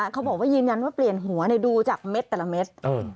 เขาบอกว่ายืนยันว่าเปลี่ยนหัวดูจากเม็ดแต่ละเม็ด